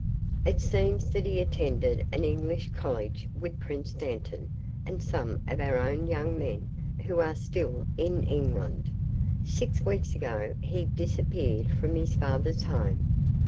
It seems that he attended an English college with Prince Dantan and some of our own young men who are still in England. Six weeks ago he disappeared from his father's home.